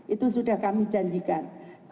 itu sudah kami janjikan